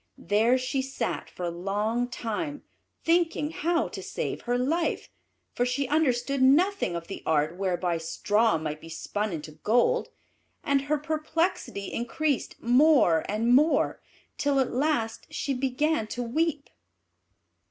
There she sat for a long time, thinking how to save her life; for she understood nothing of the art whereby straw might be spun into gold; and her perplexity increased more and more, till at last she began to weep.